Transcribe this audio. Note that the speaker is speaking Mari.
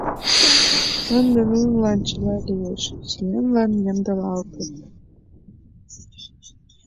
Ынде нунылан чыла лиеш: сӱанлан ямдылалтыт.